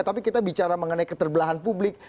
tapi kita bicara mengenai keterbelahan publik